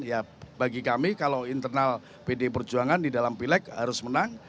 ya bagi kami kalau internal pdi perjuangan di dalam pilek harus menang